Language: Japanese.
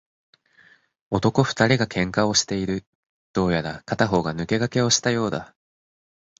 男二人が喧嘩をしている。どうやら片方が抜け駆けをしたようだ。